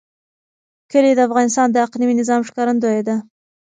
کلي د افغانستان د اقلیمي نظام ښکارندوی ده.